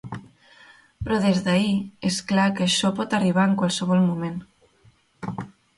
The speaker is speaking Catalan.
Però, des d’ahir, és clar que això pot arribar en qualsevol moment.